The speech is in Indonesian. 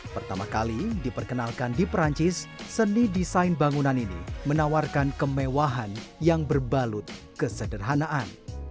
pertama kali diperkenalkan di perancis seni desain bangunan ini menawarkan kemewahan yang berbalut kesederhanaan